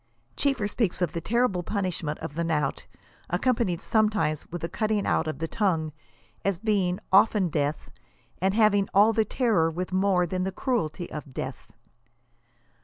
Cheever speaks of the <* terrible punis'hment of the knout, accom panied sometimes with the cutting out of the tongue," as being "often death," and having "all the terror, with more than the cruelty of death."